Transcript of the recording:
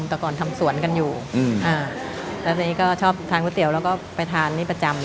แต่ก่อนทำสวนกันอยู่แล้วทีนี้ก็ชอบทานก๋วยเตี๋ยวแล้วก็ไปทานนี่ประจำ